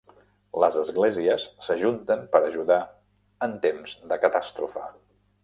Les esglésies s'ajunten per ajudar en temps de catàstrofe.